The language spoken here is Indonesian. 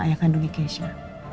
ayah kandung keisha